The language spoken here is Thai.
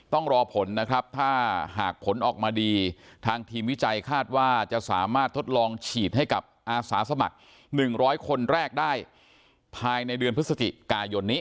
ต้องรอผลนะครับถ้าหากผลออกมาดีทางทีมวิจัยคาดว่าจะสามารถทดลองฉีดให้กับอาสาสมัคร๑๐๐คนแรกได้ภายในเดือนพฤศจิกายนนี้